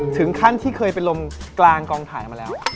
ถึงขั้นที่เคยเป็นลมกลางกองถ่ายมาแล้ว